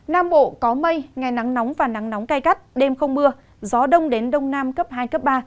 nam bộ có mây ngày nắng nóng và nắng nóng cay gắt đêm không mưa gió đông đến đông nam cấp hai cấp ba